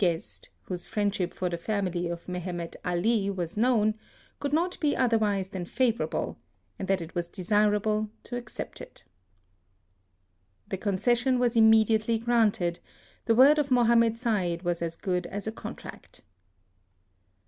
guest, whose friendship for the family of Mehemet Ali was known, could not be otherwise than favourable, and that it was desirable to accept it. 14 HISTORY OP The concession was immediately granted. The word of Mohammed Said was as good as a contract.